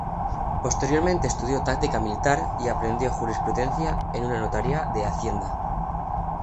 Posteriormente estudió táctica militar y aprendió jurisprudencia en una notaría de Hacienda.